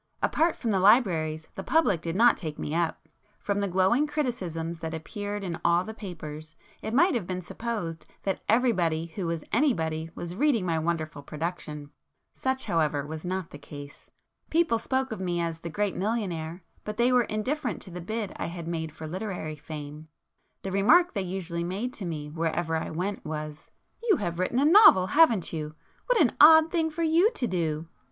Apart from the libraries, the public did not take me up. From the glowing criticisms that appeared in all the papers, it might have been supposed that 'everybody who was anybody' was reading my 'wonderful' production. Such however was not the case. People spoke of me as 'the great millionaire,' but they were indifferent to the bid I had made for literary fame. The remark they usually made to me wherever I went was—"You have written a novel, haven't you? What an odd thing for you to do!"